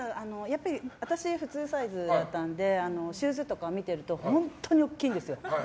私普通サイズだったのでシューズとか見てると本当に大きいんですよ。